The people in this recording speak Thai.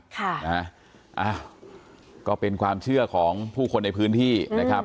ค่ะนะอ้าวก็เป็นความเชื่อของผู้คนในพื้นที่นะครับ